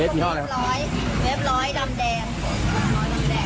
เวฟค่ะอีกห้ออะไรนะครับเวฟร้อยดำแดง